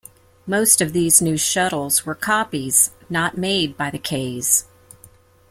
Most of these new shuttles were copies, not made by the Kays.